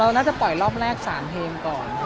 น่าจะปล่อยรอบแรก๓เพลงก่อน